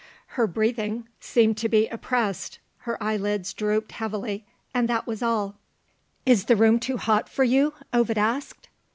Her breathing seemed to be oppressed; her eyelids drooped heavily and that was all. "Is the room too hot for you?" Ovid asked.